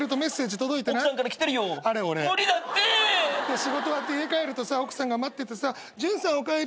仕事終わって家帰るとさ奥さんが待っててさ潤さんおかえり。